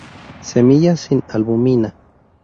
Semillas sin albúmina.